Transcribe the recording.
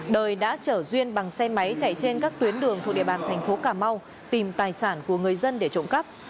đời đã chở duyên bằng xe máy chạy trên các tuyến đường thuộc địa bàn thành phố cà mau tìm tài sản của người dân để trộm cắp